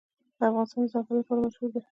افغانستان د ځنګلونه لپاره مشهور دی.